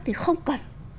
thì không cần